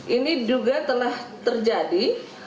ini juga telah terjadi